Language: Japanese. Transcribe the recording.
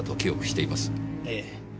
ええ。